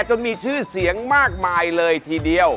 จนมีชื่อเสียงมากมายเลยทีเดียว